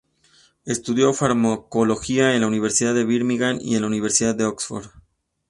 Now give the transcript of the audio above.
Estudió farmacología en la Universidad de Birmingham y en la Universidad de Oxford.